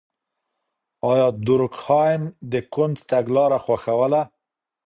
آيا دورکهايم د کُنت تګلاره خوښوله؟